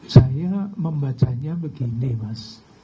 saya membacanya begini mas